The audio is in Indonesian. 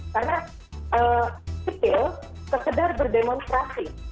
karena sikil sekedar berdemonstrasi